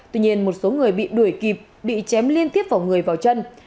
tuy nhiên một số người bị đuổi kịp bị chém liên tiếp vào người vào chân